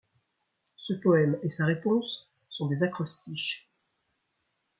Ce poème et sa réponse sont des acrostiches.